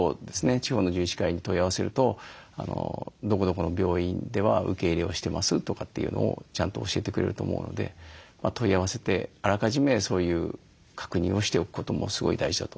地方の獣医師会に問い合わせるとどこどこの病院では受け入れをしてますとかっていうのをちゃんと教えてくれると思うので問い合わせてあらかじめそういう確認をしておくこともすごい大事だと思います。